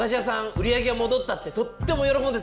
売り上げがもどったってとっても喜んでたよ。